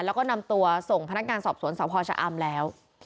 แล้วก็นำตัวส่งพนักงานสอบสวนสพชะอำแล้ว